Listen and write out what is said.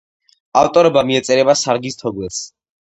ავტორობა მიეწერება სარგის თმოგველს.